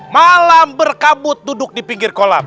malam berkabut duduk di pinggir kolam